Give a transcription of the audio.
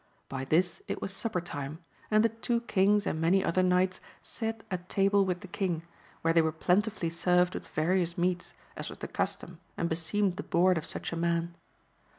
By this it was supper time, and the two kings and many other knights sate at table with the king, where they were plentifully served with various meats, as was the custom and beseemed the board of such a man.